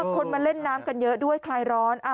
คนมาเล่นน้ำกันเยอะด้วยคลายร้อน